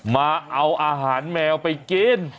มาเอาอาหารแมวไปกิน